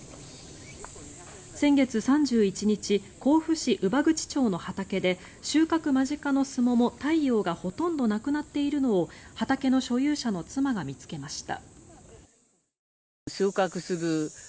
先月３１日甲府市右左口町の畑で収穫間近のスモモ、太陽がほとんどなくなっているのを畑の所有者の妻が見つけました。